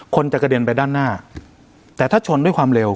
คนจะกระเด็นไปด้านหน้าแต่ถ้าชนด้วยความเร็ว